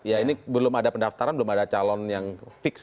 ya ini belum ada pendaftaran belum ada calon yang fix